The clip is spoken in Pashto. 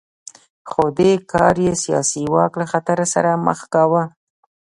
خو دې کار یې سیاسي واک له خطر سره مخ کاوه